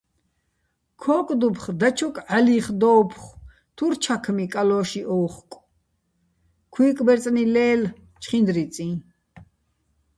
ქო́კდუფხ დაჩოკ ჺალიხ დოუ̆ფხო̆, თურ ჩაქმი, კალოში ოუ̆ხკო̆, ქუჲკბაჲრწნი ლე́ლე̆, ჩხინდიწიჼ.